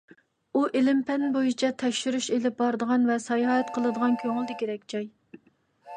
ئۇ، ئىلىم-پەن بويىچە تەكشۈرۈش ئېلىپ بارىدىغان ۋە ساياھەت قىلىدىغان كۆڭۈلدىكىدەك جاي.